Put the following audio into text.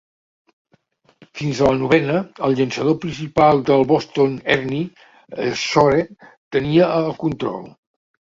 Fins a la novena, el llançador principal del Boston Ernie Shore tenia el control.